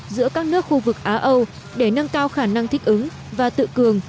giữa các nước khu vực á âu để nâng cao khả năng thích ứng và tự cường